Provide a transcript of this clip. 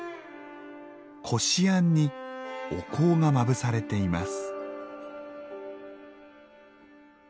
こしあんにお香がまぶされています。